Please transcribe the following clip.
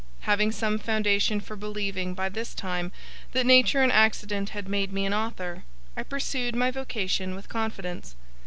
Having some foundation for believing, by this time, that nature and accident had made me an author, I pursued my vocation with confidence.